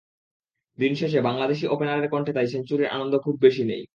দিন শেষে বাংলাদেশি ওপেনারের কণ্ঠে তাই সেঞ্চুরির আনন্দ খুব বেশি নেই।